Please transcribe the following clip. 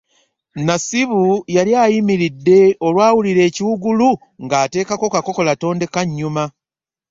Nasibu eyali ayimiridde olwawulira ekiwugulu ng'ateekako kakokola tondeka nnyuma.